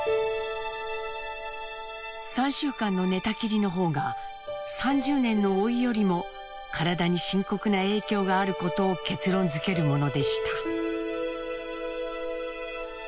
３週間の寝たきりの方が３０年の老いよりも体に深刻な影響があることを結論づけるものでした。